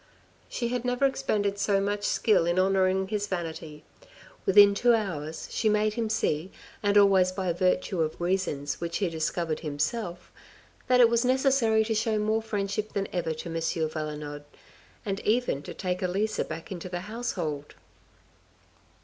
She had never expended so much skill in honoring his vanity. Within two hours she made him see, and always by virtue of reasons which he discovered himself, that it was necessary to show more friendship than ever to M. Valenod, and even to take Elisa back into the household.